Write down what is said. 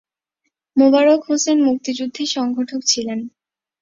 মোবারক হোসেন মুক্তিযুদ্ধের সংগঠক ছিলেন।